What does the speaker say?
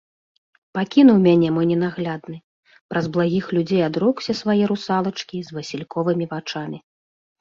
Пакінуў мяне мой ненаглядны, праз благіх людзей адрокся свае русалачкі з васільковымі вачамі.